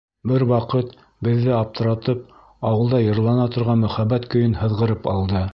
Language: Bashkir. Бер ваҡыт беҙҙе аптыратып, ауылда йырлана торған мөхәббәт көйөн һыҙғырып алды.